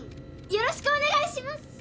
よろしくお願いします。